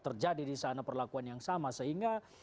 terjadi di sana perlakuan yang sama sehingga